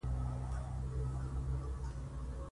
داسې خلک دې پۀ غلط پوزيشن کښې